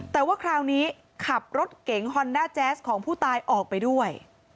แต่ว่าคราวนี้ขับรถเก๋งฮอนด้าแจ๊สของผู้ตายออกไปด้วย